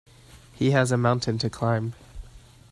He has a mountain to climb